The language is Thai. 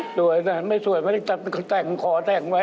สวยแต่ไม่สวยไม่ได้จัดแต่งขอแต่งไว้